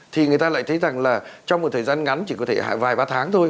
thì người ta lại thấy rằng là trong một thời gian ngắn chỉ có thể vài ba tháng thôi